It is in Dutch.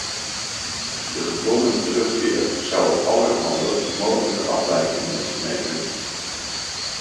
De gedwongen terugkeer zou allerhande mogelijke afwijkingen met zich meebrengen.